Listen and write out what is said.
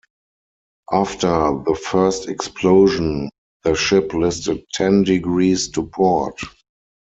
After the first explosion, the ship listed ten degrees to port.